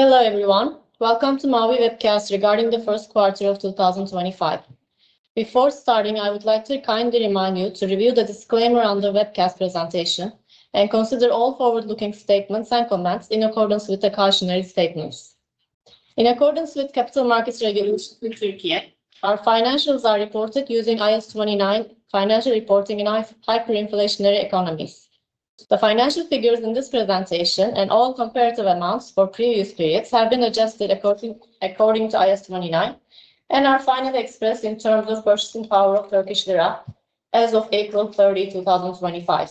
Hello everyone, welcome to Mavi webcast regarding the first quarter of 2025. Before starting, I would like to kindly remind you to review the disclaimer on the webcast presentation and consider all forward-looking statements and comments in accordance with the cautionary statements. In accordance with capital markets regulations in Türkiye, our financials are reported using IAS 29 financial reporting in hyperinflationary economies. The financial figures in this presentation and all comparative amounts for previous periods have been adjusted according to IAS 29 and are finally expressed in terms of purchasing power of Turkish lira as of April 30, 2025.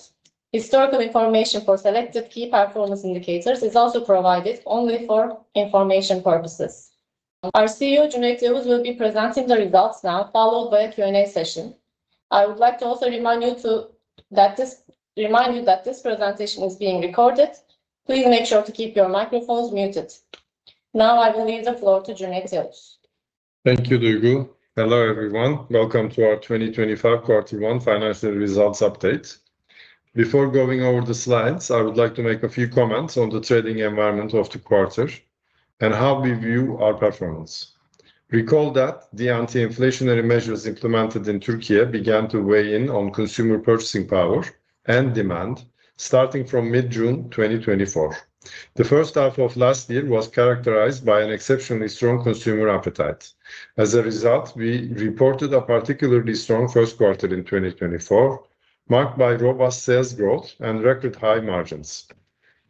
Historical information for selected key performance indicators is also provided only for information purposes. Our CEO, Cüneyt Yavuz, will be presenting the results now, followed by a Q&A session. I would like to also remind you that this presentation is being recorded. Please make sure to keep your microphones muted. Now I will leave the floor to Cüneyt Yavuz. Thank you, Duygu. Hello everyone, welcome to our 2025 quarter 1 financial results update. Before going over the slides, I would like to make a few comments on the trading environment of the quarter and how we view our performance. Recall that the anti-inflationary measures implemented in Türkiye began to weigh in on consumer purchasing power and demand starting from mid-June 2024. The first half of last year was characterized by an exceptionally strong consumer appetite. As a result, we reported a particularly strong first quarter in 2024, marked by robust sales growth and record high margins.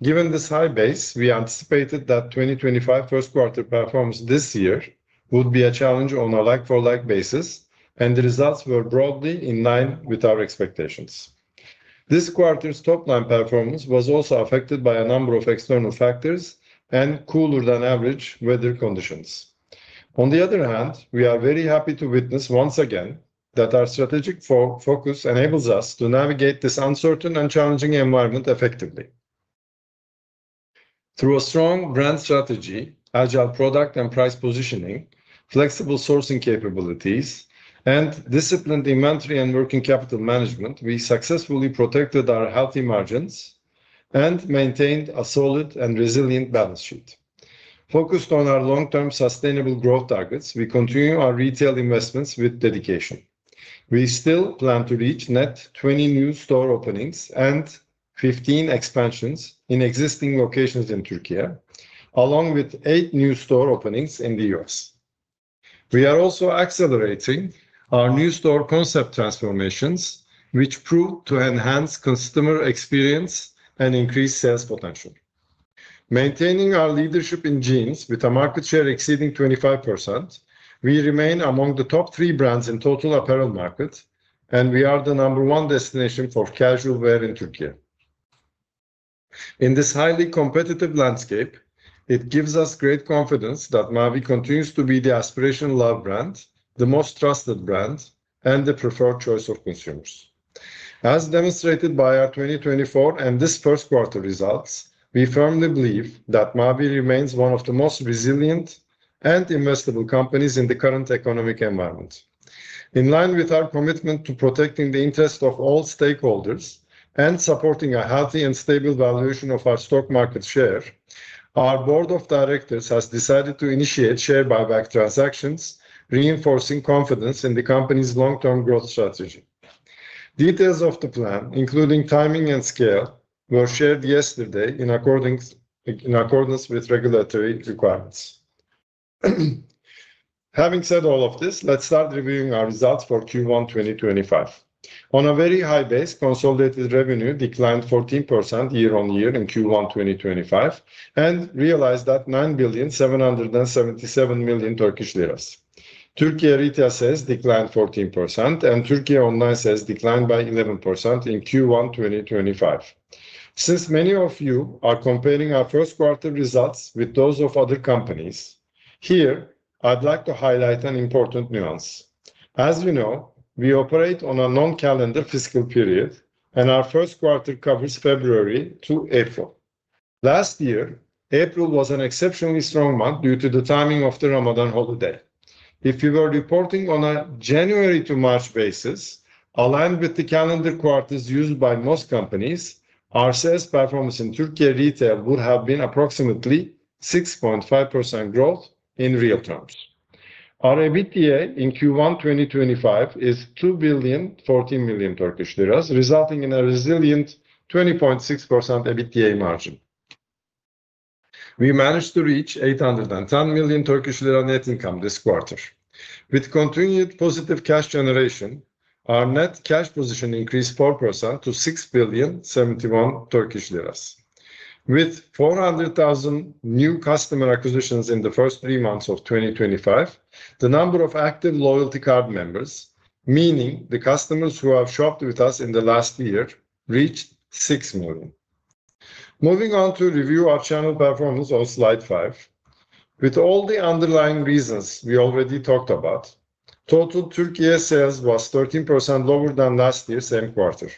Given this high base, we anticipated that 2025 first quarter performance this year would be a challenge on a like-for-like basis, and the results were broadly in line with our expectations. This quarter's top-line performance was also affected by a number of external factors and cooler-than-average weather conditions. On the other hand, we are very happy to witness once again that our strategic focus enables us to navigate this uncertain and challenging environment effectively. Through a strong brand strategy, agile product and price positioning, flexible sourcing capabilities, and disciplined inventory and working capital management, we successfully protected our healthy margins and maintained a solid and resilient balance sheet. Focused on our long-term sustainable growth targets, we continue our retail investments with dedication. We still plan to reach net 20 new store openings and 15 expansions in existing locations in Türkiye, along with eight new store openings in the U.S. We are also accelerating our new store concept transformations, which prove to enhance customer experience and increase sales potential. Maintaining our leadership in jeans with a market share exceeding 25%, we remain among the top three brands in total apparel market, and we are the number one destination for casual wear in Türkiye. In this highly competitive landscape, it gives us great confidence that Mavi continues to be the aspiration-loved brand, the most trusted brand, and the preferred choice of consumers. As demonstrated by our 2024 and this first quarter results, we firmly believe that Mavi remains one of the most resilient and investable companies in the current economic environment. In line with our commitment to protecting the interests of all stakeholders and supporting a healthy and stable valuation of our stock market share, our Board of Directors has decided to initiate share buyback transactions, reinforcing confidence in the company's long-term growth strategy. Details of the plan, including timing and scale, were shared yesterday in accordance with regulatory requirements. Having said all of this, let's start reviewing our results for Q1 2025. On a very high base, consolidated revenue declined 14% year-on-year in Q1 2025 and realized at TRY 9,777,000,000. Türkiye REIT assets declined 14%, and Türkiye Online assets declined by 11% in Q1 2025. Since many of you are comparing our first quarter results with those of other companies, here I'd like to highlight an important nuance. As you know, we operate on a non-calendar fiscal period, and our first quarter covers February to April. Last year, April was an exceptionally strong month due to the timing of the Ramadan holiday. If we were reporting on a January to March basis, aligned with the calendar quarters used by most companies, our sales performance in Türkiye retail would have been approximately 6.5% growth in real terms. Our EBITDA in Q1 2025 is 2,014,000,000 Turkish lira, resulting in a resilient 20.6% EBITDA margin. We managed to reach 810,000,000 Turkish lira net income this quarter. With continued positive cash generation, our net cash position increased 4% to 6,071,000 Turkish lira. With 400,000 new customer acquisitions in the first three months of 2025, the number of active loyalty card members, meaning the customers who have shopped with us in the last year, reached 6 million. Moving on to review our channel performance on slide 5. With all the underlying reasons we already talked about, total Türkiye sales was 13% lower than last year's same quarter.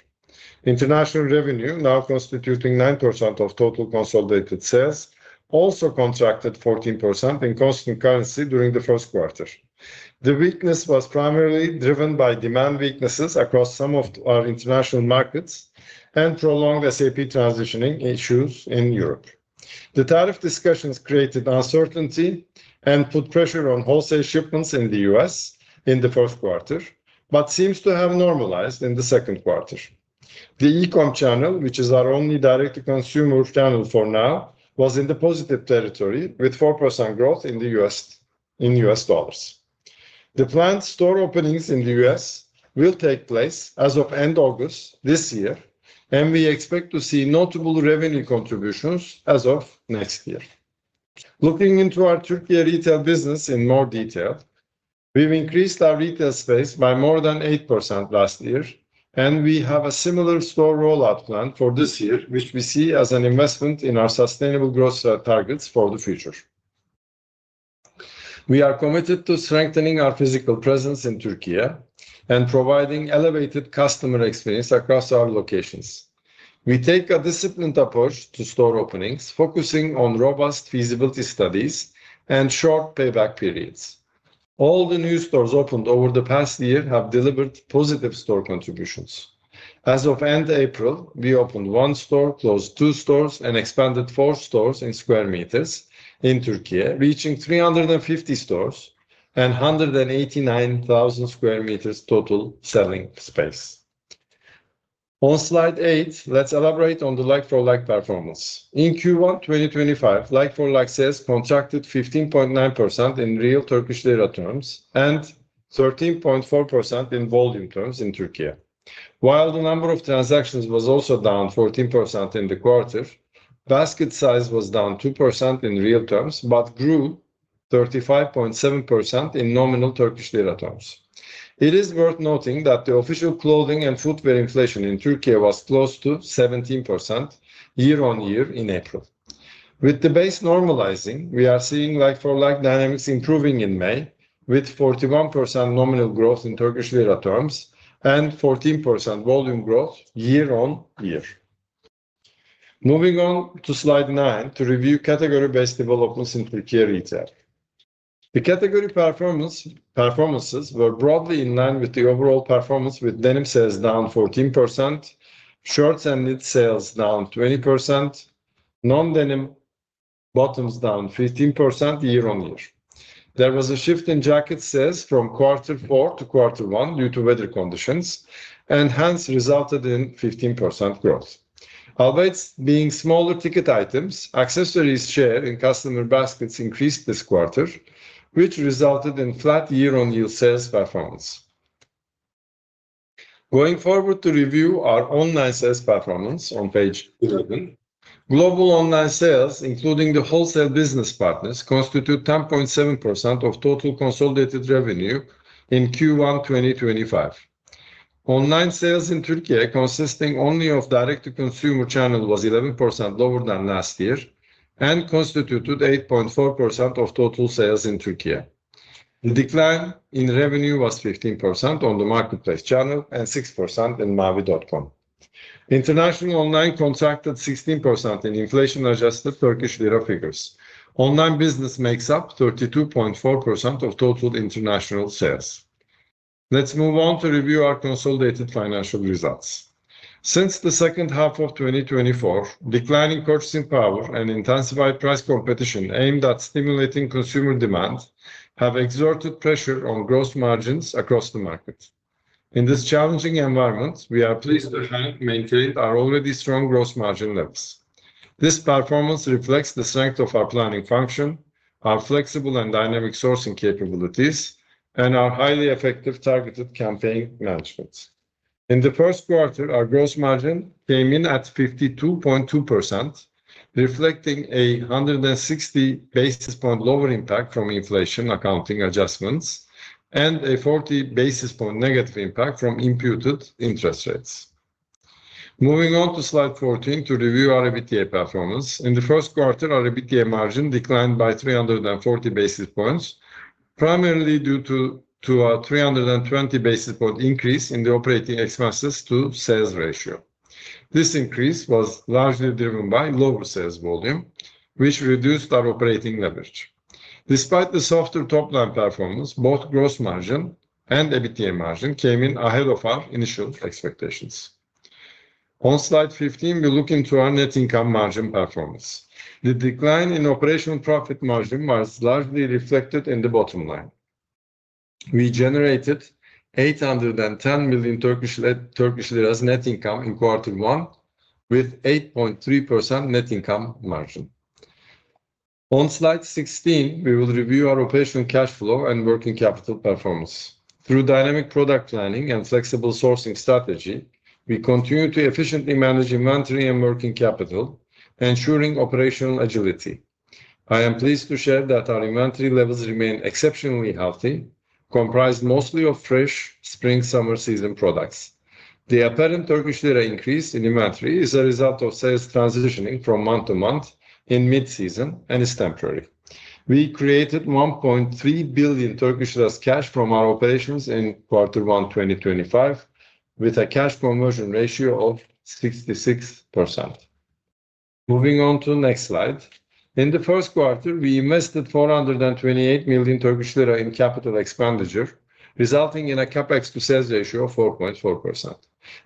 International revenue, now constituting 9% of total consolidated sales, also contracted 14% in constant currency during the first quarter. The weakness was primarily driven by demand weaknesses across some of our international markets and prolonged SAP transitioning issues in Europe. The tariff discussions created uncertainty and put pressure on wholesale shipments in the U.S. in the first quarter, but seem to have normalized in the second quarter. The e-com channel, which is our only direct consumer channel for now, was in the positive territory with 4% growth in the U.S. dollars. The planned store openings in the U.S. will take place as of end August this year, and we expect to see notable revenue contributions as of next year. Looking into our Türkiye retail business in more detail, we've increased our retail space by more than 8% last year, and we have a similar store rollout plan for this year, which we see as an investment in our sustainable growth targets for the future. We are committed to strengthening our physical presence in Türkiye and providing elevated customer experience across our locations. We take a disciplined approach to store openings, focusing on robust feasibility studies and short payback periods. All the new stores opened over the past year have delivered positive store contributions. As of end April, we opened one store, closed two stores, and expanded four stores in square meters in Türkiye, reaching 350 stores and 189,000 sq m total selling space. On slide 8, let's elaborate on the like-for-like performance. In Q1 2025, like-for-like sales contracted 15.9% in real Turkish lira terms and 13.4% in volume terms in Türkiye. While the number of transactions was also down 14% in the quarter, basket size was down 2% in real terms but grew 35.7% in nominal Turkish lira terms. It is worth noting that the official clothing and footwear inflation in Türkiye was close to 17% year-on-year in April. With the base normalizing, we are seeing like-for-like dynamics improving in May, with 41% nominal growth in TRY terms and 14% volume growth year-on-year. Moving on to slide 9 to review category-based developments in Türkiye retail. The category performances were broadly in line with the overall performance, with denim sales down 14%, shirts and knit sales down 20%, non-denim bottoms down 15% year-on-year. There was a shift in jacket sales from Q4 to Q1 due to weather conditions, and hence resulted in 15% growth. Albeit being smaller ticket items, accessories share in customer baskets increased this quarter, which resulted in flat year-on-year sales performance. Going forward to review our online sales performance on page 11, Global Online sales, including the wholesale business partners, constitute 10.7% of total consolidated revenue in Q1 2025. Online sales in Türkiye, consisting only of direct-to-consumer channel, was 11% lower than last year and constituted 8.4% of total sales in Türkiye. The decline in revenue was 15% on the marketplace channel and 6% in mavi.com. International online contracted 16% in inflation-adjusted Turkish lira figures. Online business makes up 32.4% of total international sales. Let's move on to review our consolidated financial results. Since the second half of 2024, declining purchasing power and intensified price competition aimed at stimulating consumer demand have exerted pressure on gross margins across the market. In this challenging environment, we are pleased to have maintained our already strong gross margin levels. This performance reflects the strength of our planning function, our flexible and dynamic sourcing capabilities, and our highly effective targeted campaign management. In the first quarter, our gross margin came in at 52.2%, reflecting a 160 basis point lower impact from inflation accounting adjustments and a 40 basis point negative impact from imputed interest rates. Moving on to slide 14 to review our EBITDA performance. In the first quarter, our EBITDA margin declined by 340 basis points, primarily due to a 320 basis point increase in the operating expenses to sales ratio. This increase was largely driven by lower sales volume, which reduced our operating leverage. Despite the softer top-line performance, both gross margin and EBITDA margin came in ahead of our initial expectations. On slide 15, we look into our net income margin performance. The decline in operational profit margin was largely reflected in the bottom line. We generated 810,000,000 net income in quarter 1, with 8.3% net income margin. On slide 16, we will review our operational cash flow and working capital performance. Through dynamic product planning and flexible sourcing strategy, we continue to efficiently manage inventory and working capital, ensuring operational agility. I am pleased to share that our inventory levels remain exceptionally healthy, comprised mostly of fresh spring-summer season products. The apparent Turkish lira increase in inventory is a result of sales transitioning from month-to-month in mid-season and is temporary. We created 1.3 billion cash from our operations in quarter 1 2025, with a cash conversion ratio of 66%. Moving on to the next slide. In the first quarter, we invested 428 million Turkish lira in capital expenditure, resulting in a CapEx-to-sales ratio of 4.4%.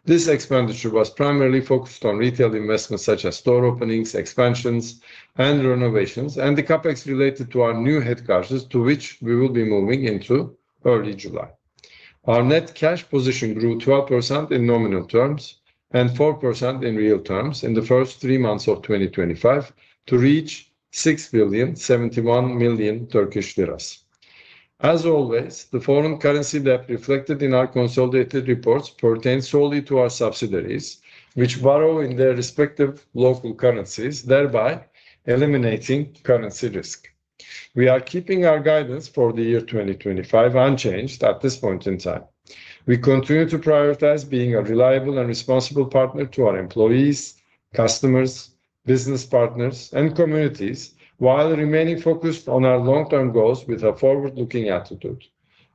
This expenditure was primarily focused on retail investments such as store openings, expansions, and renovations, and the CapEx related to our new headquarters, to which we will be moving into early July. Our net cash position grew 12% in nominal terms and 4% in real terms in the first three months of 2025 to reach 6,071,000,000 Turkish lira. As always, the foreign currency debt reflected in our consolidated reports pertains solely to our subsidiaries, which borrow in their respective local currencies, thereby eliminating currency risk. We are keeping our guidance for the year 2025 unchanged at this point in time. We continue to prioritize being a reliable and responsible partner to our employees, customers, business partners, and communities, while remaining focused on our long-term goals with a forward-looking attitude.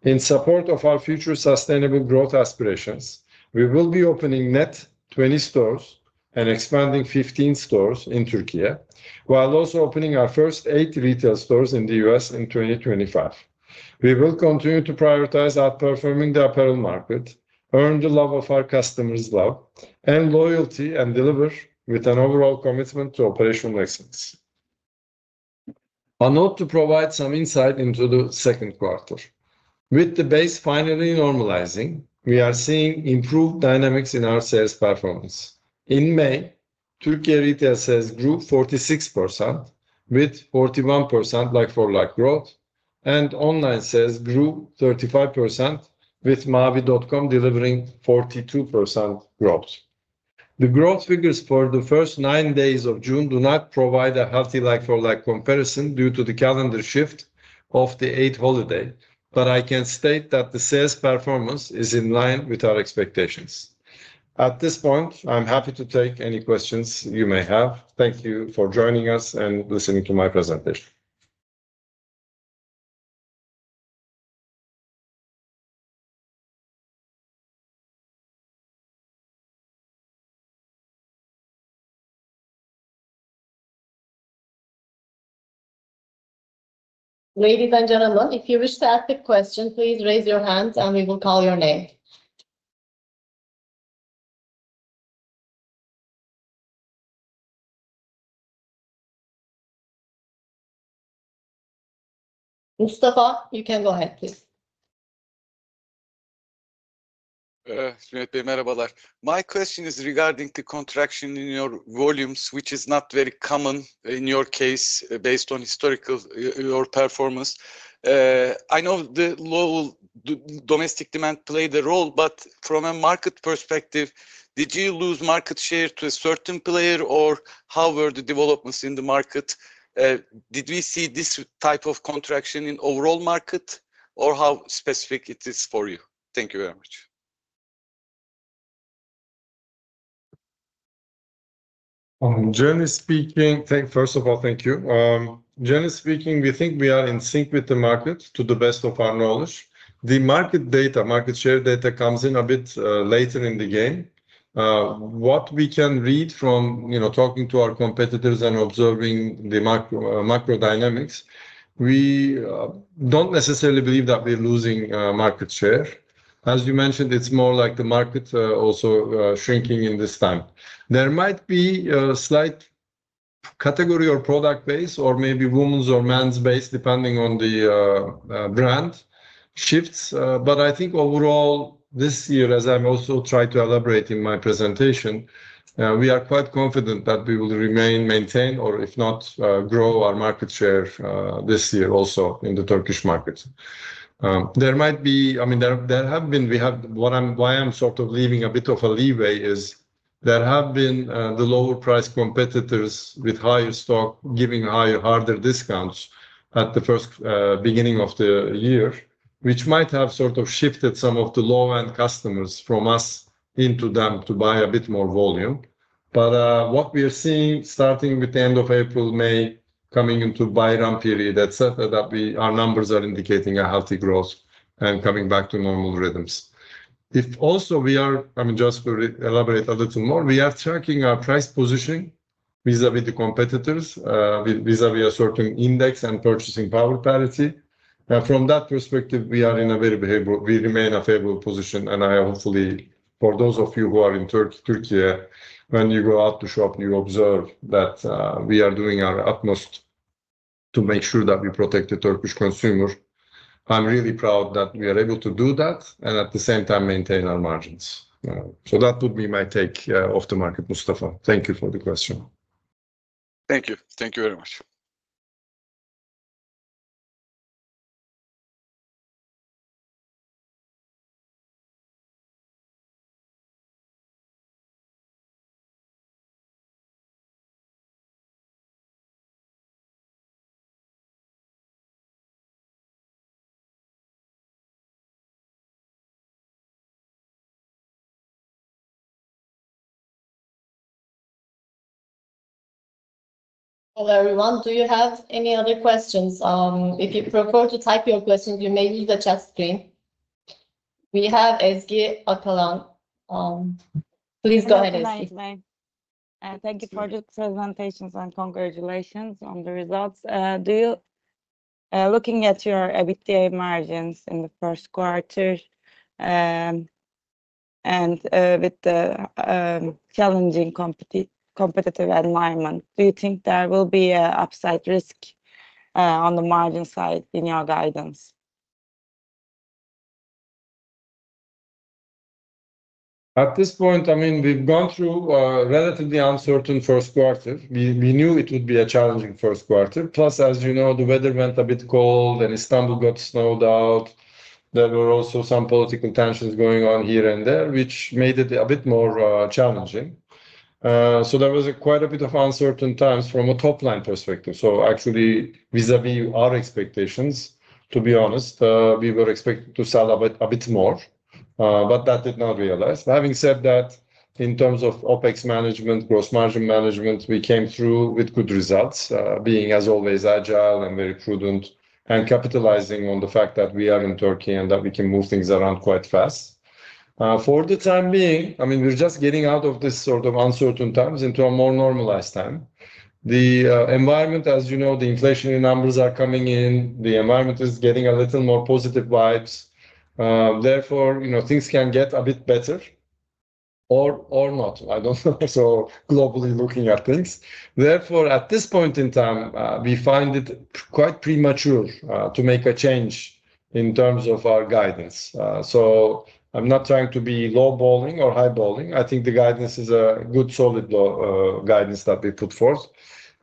In support of our future sustainable growth aspirations, we will be opening net 20 stores and expanding 15 stores in Türkiye, while also opening our first eight retail stores in the U.S. in 2025. We will continue to prioritize outperforming the apparel market, earn the love of our customers' love and loyalty, and deliver with an overall commitment to operational excellence. A note to provide some insight into the second quarter. With the base finally normalizing, we are seeing improved dynamics in our sales performance. In May, Türkiye retail sales grew 46%, with 41% like-for-like growth, and online sales grew 35%, with mavi.com delivering 42% growth. The growth figures for the first nine days of June do not provide a healthy like-for-like comparison due to the calendar shift of the eight holidays, but I can state that the sales performance is in line with our expectations. At this point, I'm happy to take any questions you may have. Thank you for joining us and listening to my presentation. Ladies and gentlemen, if you wish to ask a question, please raise your hand and we will call your name. Mustafa, you can go ahead, please. My question is regarding the contraction in your volumes, which is not very common in your case based on historical your performance. I know the low domestic demand played a role, but from a market perspective, did you lose market share to a certain player, or how were the developments in the market? Did we see this type of contraction in overall market, or how specific it is for you? Thank you very much. Jenny speaking. First of all, thank you. Jenny speaking, we think we are in sync with the market to the best of our knowledge. The market data, market share data comes in a bit later in the game. What we can read from, you know, talking to our competitors and observing the macro dynamics, we don't necessarily believe that we're losing market share. As you mentioned, it's more like the market also shrinking in this time. There might be a slight category or product base, or maybe women's or men's base, depending on the brand shifts. I think overall this year, as I'm also trying to elaborate in my presentation, we are quite confident that we will remain, maintain, or if not grow our market share this year also in the Turkish market. There might be, I mean, there have been, we have, what I'm, why I'm sort of leaving a bit of a leeway is there have been the lower price competitors with higher stock giving higher, harder discounts at the first beginning of the year, which might have sort of shifted some of the low-end customers from us into them to buy a bit more volume. What we are seeing, starting with the end of April, May, coming into buy-run period, etc., is that we, our numbers are indicating a healthy growth and coming back to normal rhythms. If also we are, I mean, just to elaborate a little more, we are tracking our price positioning vis-à-vis the competitors, vis-à-vis a certain index and purchasing power parity. From that perspective, we are in a very behavioral, we remain a favorable position, and I hopefully for those of you who are in Türkiye, when you go out to shop, you observe that we are doing our utmost to make sure that we protect the Turkish consumer. I'm really proud that we are able to do that and at the same time maintain our margins. That would be my take of the market, Mustafa. Thank you for the question. Thank you. Thank you very much. Hello everyone. Do you have any other questions? If you prefer to type your questions, you may use the chat screen. We have Ezgi Akalan. Please go ahead. Thank you for the presentations and congratulations on the results. Do you, looking at your EBITDA margins in the first quarter and with the challenging competitive environment, do you think there will be an upside risk on the margin side in your guidance? At this point, I mean, we've gone through a relatively uncertain first quarter. We knew it would be a challenging first quarter. Plus, as you know, the weather went a bit cold and Istanbul got snowed out. There were also some political tensions going on here and there, which made it a bit more challenging. There was quite a bit of uncertain times from a top-line perspective. Actually, vis-à-vis our expectations, to be honest, we were expected to sell a bit more, but that did not realize. Having said that, in terms of OpEx management, gross margin management, we came through with good results, being as always agile and very prudent and capitalizing on the fact that we are in Türkiye and that we can move things around quite fast. For the time being, I mean, we're just getting out of this sort of uncertain times into a more normalized time. The environment, as you know, the inflationary numbers are coming in, the environment is getting a little more positive vibes. Therefore, you know, things can get a bit better or not, I don't know. Globally looking at things, therefore at this point in time, we find it quite premature to make a change in terms of our guidance. I'm not trying to be low balling or high balling. I think the guidance is a good solid guidance that we put forth.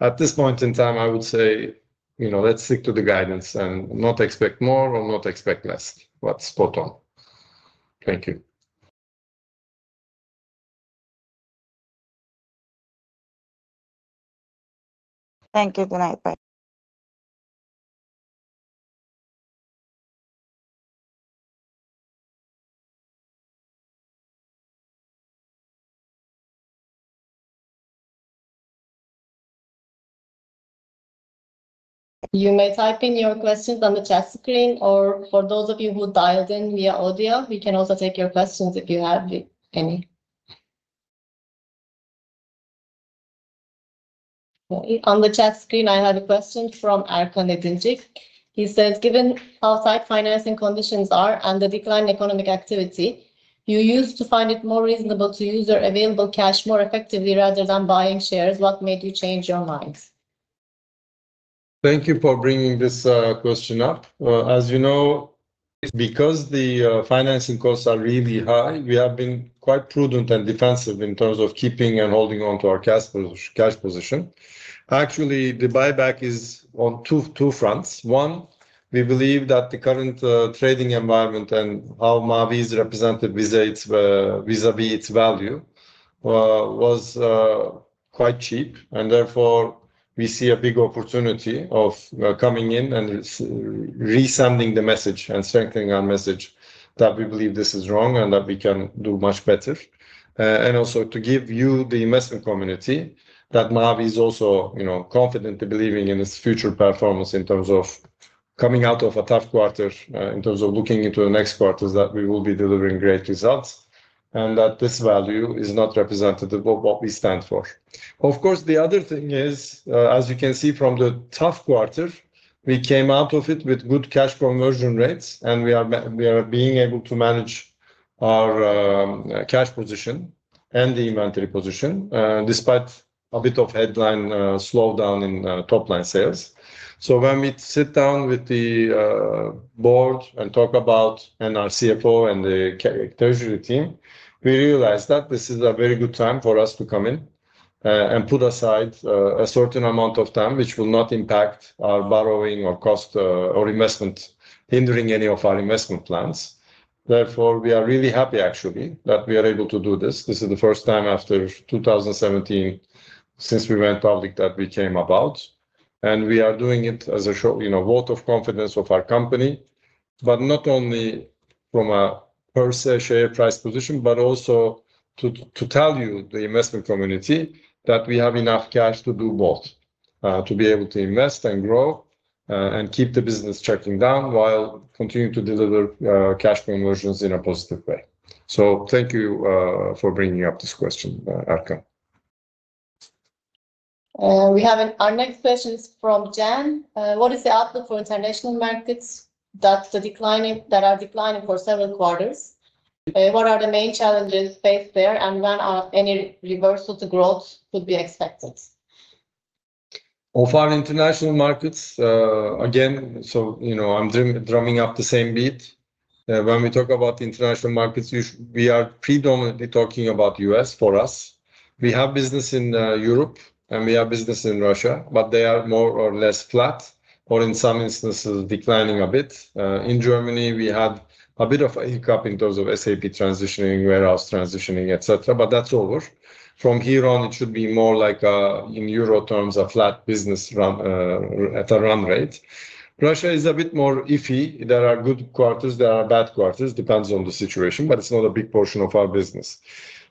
At this point in time, I would say, you know, let's stick to the guidance and not expect more or not expect less. That's spot on. Thank you. Thank you, Cüneyt. You may type in your questions on the chat screen or for those of you who dialed in via audio, we can also take your questions if you have any. On the chat screen, I have a question from Erkan Edincik. He says, "Given how tight financing conditions are and the declined economic activity, you used to find it more reasonable to use your available cash more effectively rather than buying shares. What made you change your mind?" Thank you for bringing this question up. As you know, because the financing costs are really high, we have been quite prudent and defensive in terms of keeping and holding on to our cash position. Actually, the buyback is on two fronts. One, we believe that the current trading environment and how Mavi is represented vis-à-vis its value was quite cheap, and therefore we see a big opportunity of coming in and resending the message and strengthening our message that we believe this is wrong and that we can do much better. Also, to give you, the investment community, that Mavi is also, you know, confidently believing in its future performance in terms of coming out of a tough quarter, in terms of looking into the next quarters that we will be delivering great results and that this value is not representative of what we stand for. Of course, the other thing is, as you can see from the tough quarter, we came out of it with good cash conversion rates and we are being able to manage our cash position and the inventory position despite a bit of headline slowdown in top-line sales. When we sit down with the Board and talk about our CFO and the treasury team, we realize that this is a very good time for us to come in and put aside a certain amount of time which will not impact our borrowing or cost or investment hindering any of our investment plans. Therefore, we are really happy actually that we are able to do this. This is the first time after 2017 since we went public that we came about, and we are doing it as a short, you know, vote of confidence of our company, but not only from a per share price position, but also to tell you, the investment community, that we have enough cash to do both, to be able to invest and grow and keep the business tracking down while continuing to deliver cash conversions in a positive way. Thank you for bringing up this question, Erkan. We have our next question from Can. What is the outlook for international markets that are declining for several quarters? What are the main challenges faced there and when any reversal to growth could be expected? Of our international markets, again, so you know, I'm drumming up the same beat. When we talk about international markets, we are predominantly talking about the U.S. for us. We have business in Europe and we have business in Russia, but they are more or less flat or in some instances declining a bit. In Germany, we had a bit of a hiccup in terms of SAP transitioning, warehouse transitioning, etc., but that's over. From here on, it should be more like a, in euro terms, a flat business run at a run rate. Russia is a bit more iffy. There are good quarters, there are bad quarters, depends on the situation, but it's not a big portion of our business.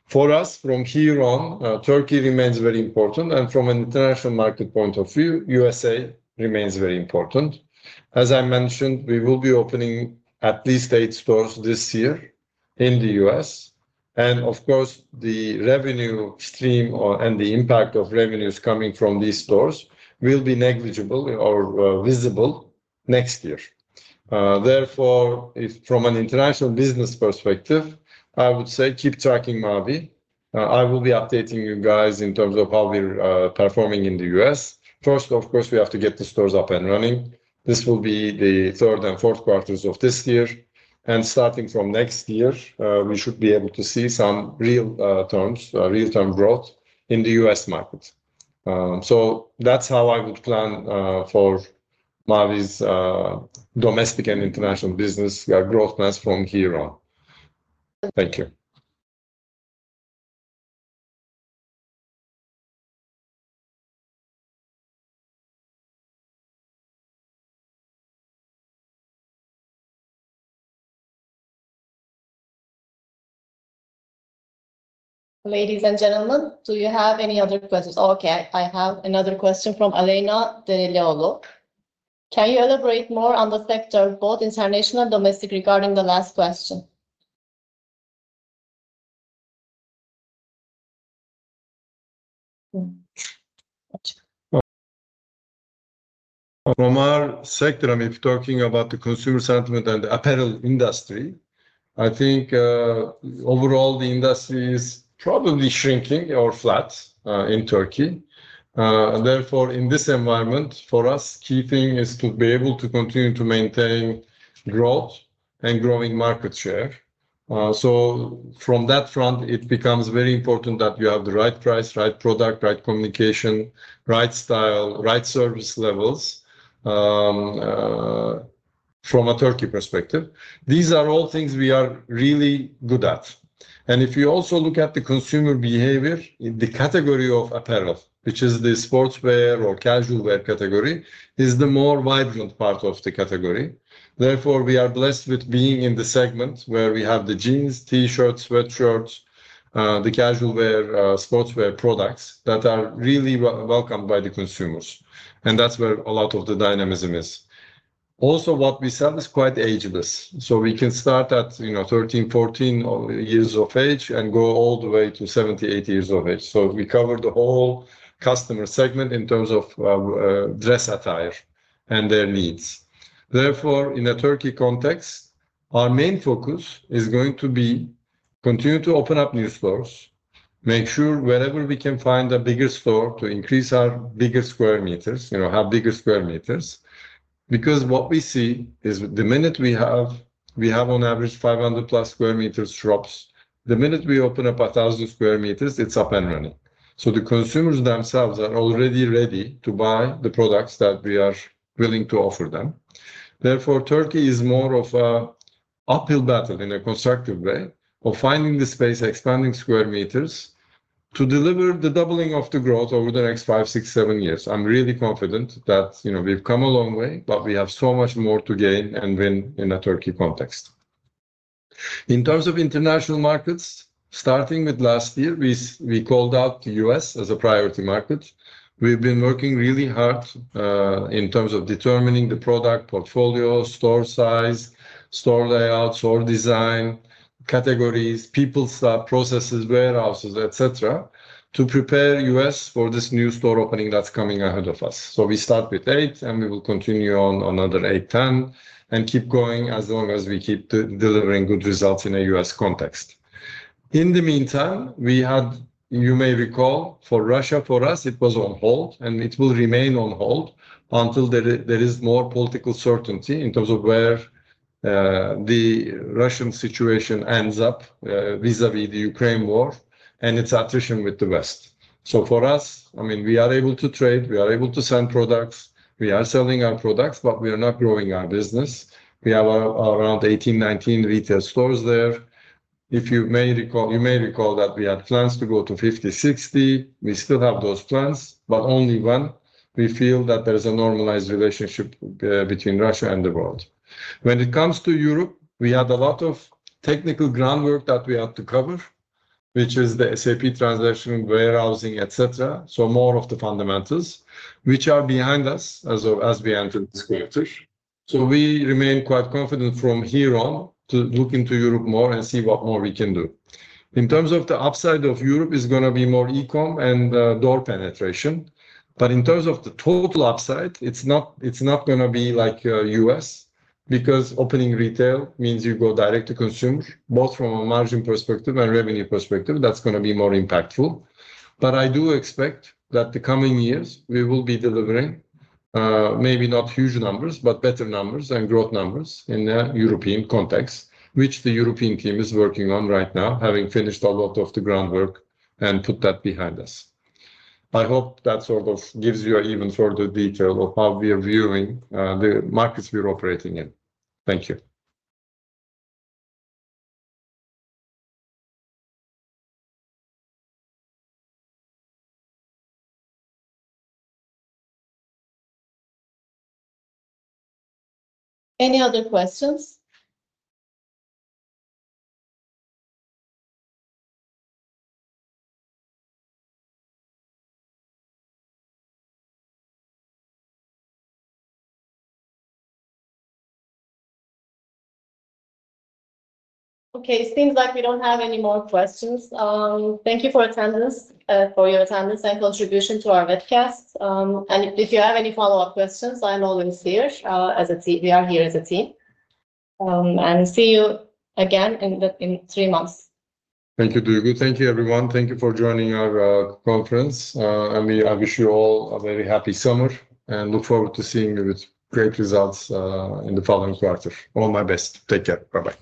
For us, from here on, Türkiye remains very important and from an international market point of view, the U.S.A. remains very important. As I mentioned, we will be opening at least eight stores this year in the U.S, and of course, the revenue stream and the impact of revenues coming from these stores will be negligible or visible next year. Therefore, if from an international business perspective, I would say keep tracking Mavi. I will be updating you guys in terms of how we're performing in the U.S. First, of course, we have to get the stores up and running. This will be the third and fourth quarters of this year, and starting from next year, we should be able to see some real terms, real-time growth in the U.S. market. That is how I would plan for Mavi's Domestic and International business growth plans from here on. Thank you. Ladies and gentlemen, do you have any other questions? Okay, I have another question from Aleyna Derelioğlu. Can you elaborate more on the sector, both international and domestic, regarding the last question? From our sector, I mean, if you're talking about the consumer sentiment and the apparel industry, I think overall the industry is probably shrinking or flat in Türkiye. Therefore, in this environment, for us, the key thing is to be able to continue to maintain growth and growing market share. From that front, it becomes very important that you have the right price, right product, right communication, right style, right service levels from a Türkiye perspective. These are all things we are really good at. If you also look at the consumer behavior in the category of apparel, which is the sportswear or casual wear category, it is the more vibrant part of the category. Therefore, we are blessed with being in the segment where we have the jeans, T-shirts, sweatshirts, the casual wear, sportswear products that are really welcomed by the consumers. That's where a lot of the dynamism is. Also, what we sell is quite ageless. We can start at, you know, 13, 14 years of age and go all the way to 70, 80 years of age. We cover the whole customer segment in terms of dress attire and their needs. Therefore, in a Türkiye context, our main focus is going to be to continue to open up new stores, make sure wherever we can find a bigger store to increase our bigger square meters, you know, have bigger square meters. What we see is the minute we have, we have on average 500+ sq m shops. The minute we open up 1,000 sq m, it's up and running. The consumers themselves are already ready to buy the products that we are willing to offer them. Therefore, Türkiye is more of an uphill battle in a constructive way of finding the space, expanding square meters to deliver the doubling of the growth over the next five, six, seven years. I'm really confident that, you know, we've come a long way, but we have so much more to gain and win in a Türkiye context. In terms of international markets, starting with last year, we called out the U.S. as a priority market. We've been working really hard in terms of determining the product portfolio, store size, store layout, store design, categories, people, processes, warehouses, etc., to prepare the U.S. for this new store opening that's coming ahead of us. We start with eight and we will continue on another eight, 10, and keep going as long as we keep delivering good results in a U.S. context. In the meantime, you may recall, for Russia, for us, it was on hold and it will remain on hold until there is more political certainty in terms of where the Russian situation ends up vis-à-vis the Ukraine war and its attrition with the West. For us, I mean, we are able to trade, we are able to send products, we are selling our products, but we are not growing our business. We have around 18, 19 retail stores there. You may recall that we had plans to go to 50, 60. We still have those plans, but only when we feel that there is a normalized relationship between Russia and the world. When it comes to Europe, we had a lot of technical groundwork that we had to cover, which is the SAP transition, warehousing, etc. More of the fundamentals are behind us as we enter this quarter. We remain quite confident from here on to look into Europe more and see what more we can do. In terms of the upside of Europe, it's going to be more e-com and door penetration. In terms of the total upside, it's not going to be like the U.S. because opening retail means you go direct to consumers, both from a margin perspective and revenue perspective. That's going to be more impactful. I do expect that the coming years we will be delivering maybe not huge numbers, but better numbers and growth numbers in the European context, which the European team is working on right now, having finished a lot of the groundwork and put that behind us. I hope that sort of gives you an even further detail of how we are viewing the markets we're operating in. Thank you. Any other questions? Okay, it seems like we don't have any more questions. Thank you for your attendance and contribution to our webcast. If you have any follow-up questions, I'm always here as a team. We are here as a team. See you again in three months. Thank you, Duygu. Thank you, everyone. Thank you for joining our conference. I wish you all a very happy summer and look forward to seeing you with great results in the following quarter. All my best. Take care. Bye-bye.